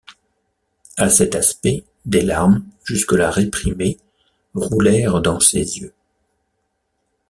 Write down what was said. À cet aspect, des larmes, jusque-là réprimées, roulèrent dans ses yeux.